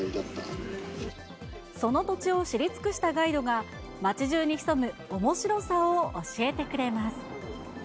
その土地を知り尽くしたガイドが、町じゅうに潜むおもしろさを教えてくれます。